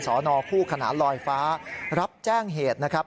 นคู่ขนานลอยฟ้ารับแจ้งเหตุนะครับ